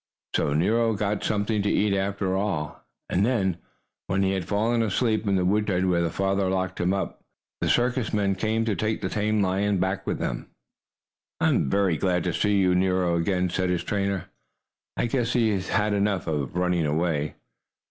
So Nero got something to eat after all. And then, when he had fallen asleep in the woodshed where the farmer locked him, the circus men came to take the tame lion back with them. "I'm very glad to get Nero again," said his trainer. "I guess he has had enough of running away."